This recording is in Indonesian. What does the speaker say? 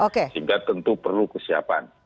sehingga tentu perlu kesiapan